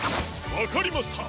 わかりました！